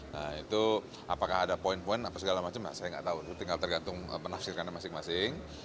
nah itu apakah ada poin poin apa segala macam saya nggak tahu itu tinggal tergantung penafsirkan masing masing